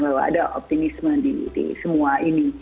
bahwa ada optimisme di semua ini